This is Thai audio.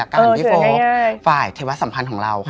คว้ายแต่ว่าสัมภัณฑ์ของเรา